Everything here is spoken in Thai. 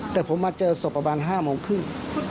แต่ผมมาเจอศพประมาณ๕โมงครึ่ง